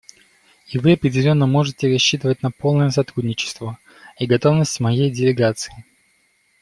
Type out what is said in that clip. И вы определенно можете рассчитывать на полное сотрудничество и готовность моей делегации.